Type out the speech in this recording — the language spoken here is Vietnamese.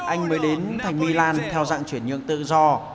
anh mới đến thành milan theo dạng chuyển nhượng tự do